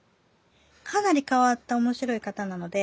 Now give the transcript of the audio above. かなり変わった面白い方なので。